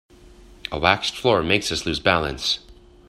A waxed floor makes us lose balance.